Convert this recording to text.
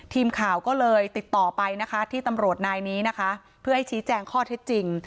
ทีมข่าวก็เลยติดต่อไปนะคะที่ตำรวจนายนี้นะคะเพื่อให้ชี้แจงข้อเท็จจริง